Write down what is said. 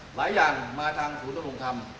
หลายอย่างมาทางศูนย์ทำ